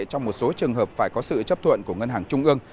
trong một số trường hợp phải có sự chấp thuận của ngân hàng trung ương